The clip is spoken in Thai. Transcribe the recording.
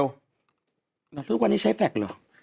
จะส่งเป็นเมลทุกวันนี้ใช้แฟคเหรอ